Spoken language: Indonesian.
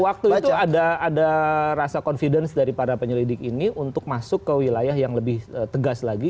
waktu itu ada rasa confidence dari para penyelidik ini untuk masuk ke wilayah yang lebih tegas lagi